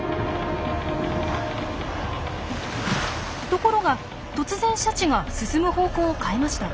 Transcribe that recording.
ところが突然シャチが進む方向を変えました。